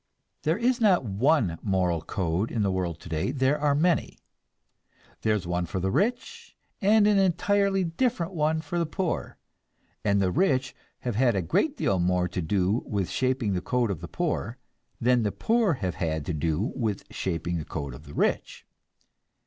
There is not one moral code in the world today, there are many. There is one for the rich, and an entirely different one for the poor, and the rich have had a great deal more to do with shaping the code of the poor than the poor have had to do with shaping the code of the rich.